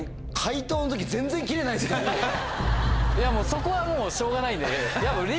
そこはもうしょうがないんでね。